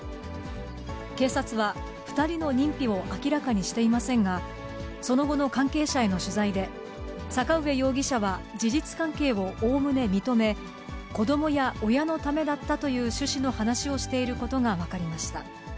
警察は、２人の認否を明らかにしていませんが、その後の関係者への取材で、坂上容疑者は事実関係をおおむね認め、子どもや親のためだったという趣旨の話をしていることが分かりました。